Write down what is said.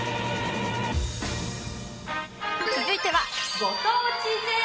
続いては